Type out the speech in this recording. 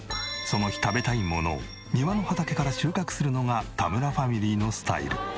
その日食べたいものを庭の畑から収穫するのが田村ファミリーのスタイル。